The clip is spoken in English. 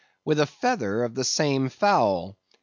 With a feather of the same fowl.